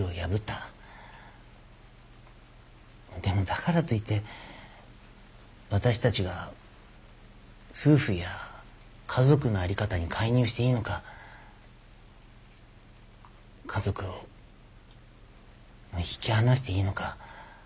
でもだからといって私たちが夫婦や家族の在り方に介入していいのか家族を引き離していいのか。